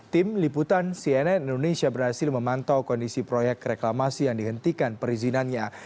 tim liputan cnn indonesia berhasil memantau kondisi proyek reklamasi yang dihentikan perizinannya